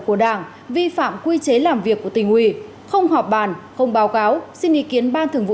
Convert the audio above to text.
của đảng vi phạm quy chế làm việc của tỉnh ủy không họp bàn không báo cáo xin ý kiến ban thường vụ